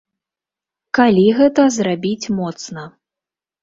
Калі гэта зрабіць моцна.